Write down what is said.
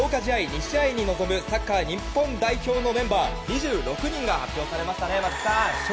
２試合に臨むサッカー日本代表のメンバー２６人が発表されましたね、松木さん。